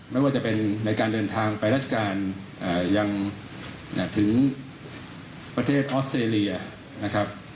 ไม่ว่าจะเป็นในการเดินทางไปราชการยังถึงประเทศออสเตรเลียนะครับ